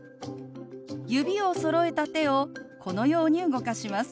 指をそろえた手をこのように動かします。